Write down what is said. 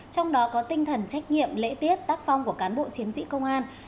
trong đó có tinh thần trách nhiệm lễ tiết tác phong của cán bộ chiến sĩ công an